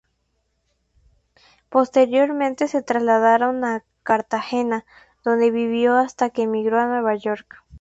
Posteriormente se trasladaron a Cartagena, donde vivió hasta que emigró a Nueva York.